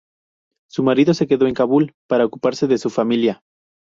Su marido se quedó en Kabul para ocuparse de su familia.